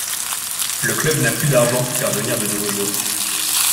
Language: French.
Le club n'a plus d'argent pour faire venir de nouveaux joueurs.